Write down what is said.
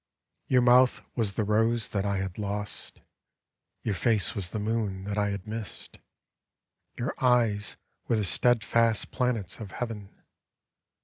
Your mouth was the rose that I had lost. Your face was the moon that I had missed, Your eyes were the steadfast planets of heaven.